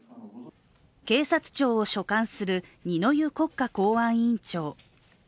警察庁を所管する二之湯国家公安委員長。